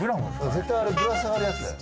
絶対あれぶら下がるやつだよ。